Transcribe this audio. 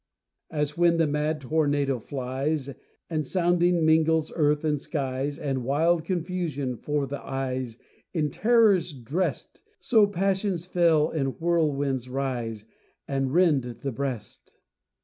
As when the mad tornado flies, And sounding mingles earth and skies, And wild confusion 'fore the eyes In terrors dressed. So passions fell in whirlwinds rise, And rend the breast!